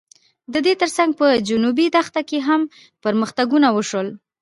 د دې تر څنګ په جنوبي دښته کې هم پرمختګونه وشول.